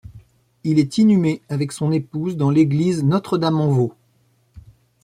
Il y est inhumé avec son épouse dans l'église Notre-Dame-en-Vaux.